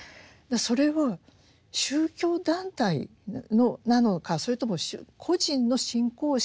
それを宗教団体なのかそれとも個人の信仰心の問題